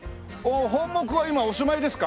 本牧は今お住まいですか？